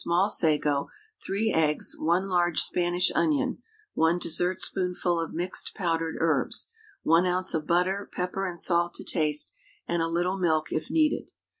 small sago, 3 eggs, 1 large Spanish onion, 1 dessertspoonful of mixed powdered herbs, 1 oz. of butter, pepper and salt to taste, and a little milk if needed.